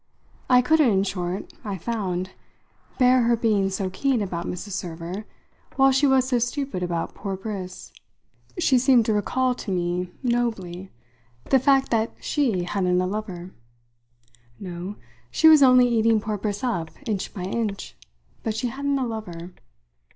I couldn't, in short, I found, bear her being so keen about Mrs. Server while she was so stupid about poor Briss. She seemed to recall to me nobly the fact that she hadn't a lover. No, she was only eating poor Briss up inch by inch, but she hadn't a lover.